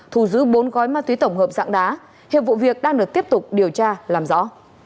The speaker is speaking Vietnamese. thu giữ bốn gói ma túy tổng hợp dạng đá hiệp vụ việc đang được tiếp tục điều tra làm rõ